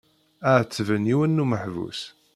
Ɛettben yiwen n umeḥbus.